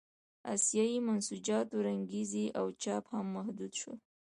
د اسیايي منسوجاتو رنګرېزي او چاپ هم محدود شول.